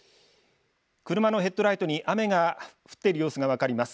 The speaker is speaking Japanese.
車のヘッドライトに雨が降っている様子が分かります。